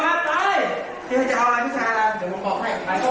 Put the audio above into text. ครูกัดสบัติคร้าว